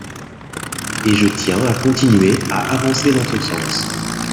Et je tiens à continuer à avancer dans ce sens.